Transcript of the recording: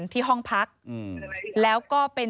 ที่อ๊อฟวัย๒๓ปี